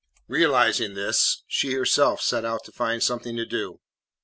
Realising this, she herself set out to find something to do.